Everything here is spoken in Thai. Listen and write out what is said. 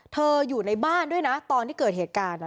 อยู่ในบ้านด้วยนะตอนที่เกิดเหตุการณ์